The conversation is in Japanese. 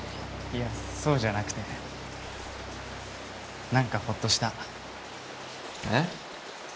いやそうじゃなくて何かホッとした。え？